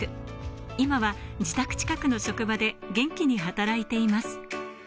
今は自宅近くの職場で元気に働いています。